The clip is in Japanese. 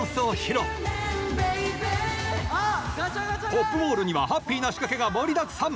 ＰＯＰＭＡＬＬにはハッピーな仕掛けが盛りだくさん！